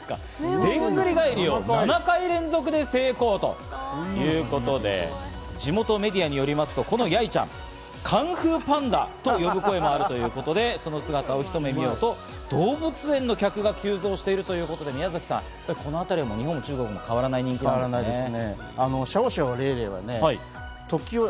でんぐり返りを７回連続で成功ということで、地元メディアによりますと、このヤイちゃん、カンフーパンダと呼ぶ声があるということで、その姿をひと目見ようと、動物園の客が急増しているということで宮崎さん、このあたりも中国も日本も変わらない人気ですね。